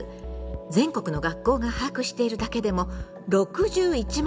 全国の学校が把握しているだけでも６１万件もあるのよ。